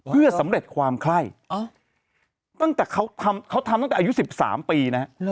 เพื่อสำเร็จความไข้ตั้งแต่เขาทำตั้งแต่อายุ๑๓ปีนะฮะ